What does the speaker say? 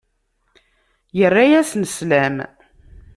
Yerra-asen slam.